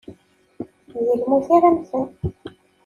D lmut ara mmten.